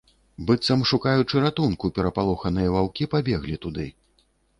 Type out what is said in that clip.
Быццам шукаючы ратунку, перапалоханыя ваўкі пабеглі туды.